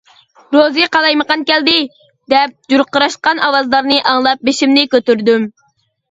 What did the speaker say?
«روزى قالايمىقان كەلدى! » دەپ چۇرقىراشقان ئاۋازلارنى ئاڭلاپ بېشىمنى كۆتۈردۈم.